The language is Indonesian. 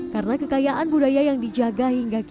karena kekayaan budaya yang dijaga